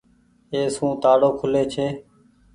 اي سون تآڙو کولي ڇي۔